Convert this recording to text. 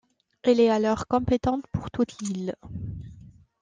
Elle est alors compétente pour toute l'île.